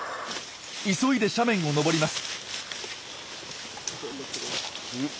急いで斜面を登ります。